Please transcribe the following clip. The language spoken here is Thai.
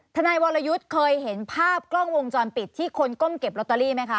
ทนายวรยุทธ์เคยเห็นภาพกล้องวงจรปิดที่คนก้มเก็บลอตเตอรี่ไหมคะ